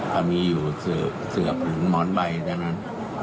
เขามีอยู่เสือบหรือหมอนใบเท่านั้น